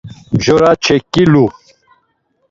Mjora çeǩilu.